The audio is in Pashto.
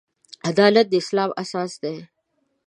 عدالت د اسلام اساس دی.